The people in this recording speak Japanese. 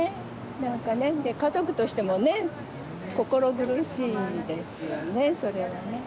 なんかね、家族としてもね、心苦しいですよね、それはね。